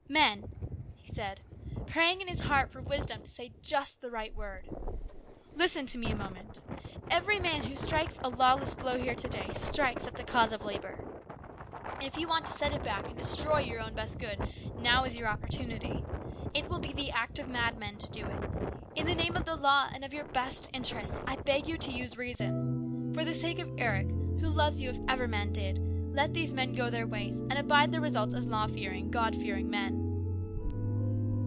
" Men," he said, praying in his heart for wisdom tc 114 AN EXCITING TIME. 115 say just the right word, "listen to me a moment! Every man who strikes a lawless blow here to day, strikes at the cause of labour. If you want to set it back and destroy your own best good, now is your opportunity. It will be the act of madmen to do it. In the name of the law and of your best interests, I beg of you to use reason. For the sake of Eric, who loves you if ever man did, let these men go their ways and abide the results as law fearing, God fearing men